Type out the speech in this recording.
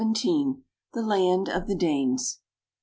THE LAND OF THE DANES.